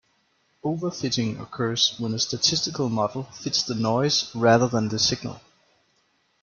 Overfitting occurs when a statistical model fits the noise rather than the signal.